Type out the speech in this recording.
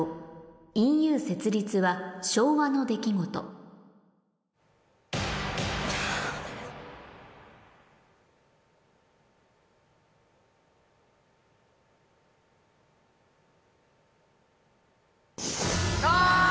ＥＵ設立は昭和の出来事あ！